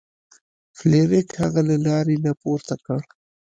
فلیریک هغه له لارې نه پورته کړ.